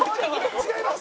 違います！